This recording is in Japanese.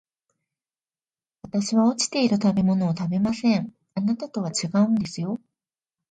私は落ちている食べ物を食べません、あなたとは違うんですよ